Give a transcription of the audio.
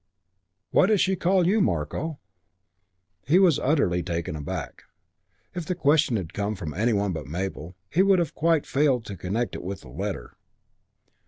"Why does she call you 'Marko'?" He was utterly taken aback. If the question had come from any one but Mabel, he would have quite failed to connect it with the letter.